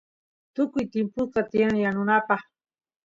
tukuy timpusqa tiyan yanunapaq